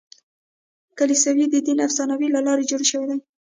کلیساوې د دیني افسانو له لارې جوړې شوې.